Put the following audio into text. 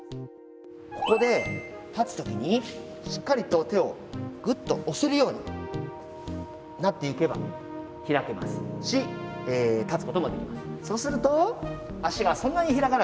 ここで立つ時にしっかりと手をぐっと押せるようになっていけば開けますし立つこともできます。